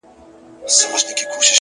کمزوری سوئ يمه؛ څه رنگه دي ياده کړمه؛